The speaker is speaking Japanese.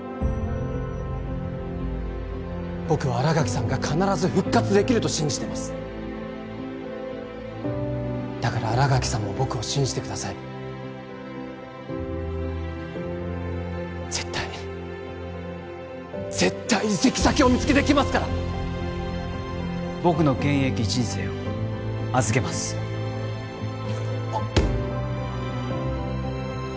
僕は新垣さんが必ず復活できると信じてますだから新垣さんも僕を信じてください絶対絶対移籍先を見つけてきますから僕の現役人生を預けますあっ